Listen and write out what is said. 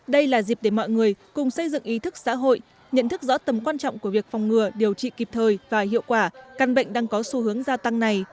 đây là dịp để mọi người cùng xây dựng ý thức xã hội nhận thức rõ tầm quan trọng của việc phòng ngừa điều trị kịp thời và hiệu quả căn bệnh đang có xu hướng gia tăng này